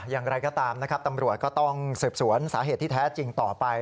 อย่างไรก็ตามนะครับตำรวจก็ต้องสืบสวนสาเหตุที่แท้จริงต่อไป